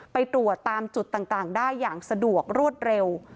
ไปตรวจตามจุดต่างได้อย่างสะดวกรวดเร็ว